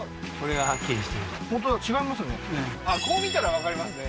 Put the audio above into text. こう見たらわかりますね